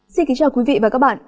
xin kính chào quý vị và các bạn